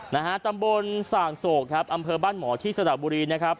นะฮะตำบลส่างโศกครับอำเภอบ้านหมอที่สระบุรีนะครับ